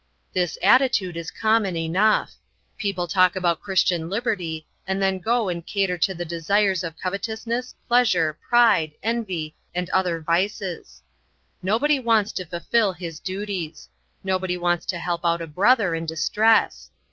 This attitude is common enough. People talk about Christian liberty and then go and cater to the desires of covetousness, pleasure, pride, envy, and other vices. Nobody wants to fulfill his duties. Nobody wants to help out a brother in distress.